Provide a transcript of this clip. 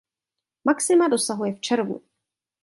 Maxima dosahuje v červnu.